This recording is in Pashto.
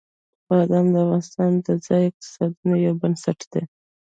بادام د افغانستان د ځایي اقتصادونو یو بنسټ دی.